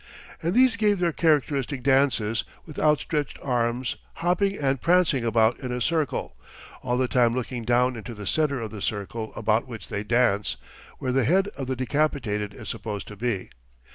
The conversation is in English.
And these gave their characteristic dances, with outstretched arms, hopping and prancing about in a circle, all the time looking down into the center of the circle about which they dance (where the head of the decapitated is supposed to be).